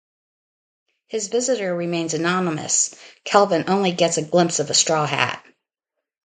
His visitor remains anonymous; Kelvin only gets a glimpse of a straw hat.